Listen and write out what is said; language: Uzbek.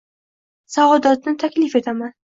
Saodatni taklif etaman!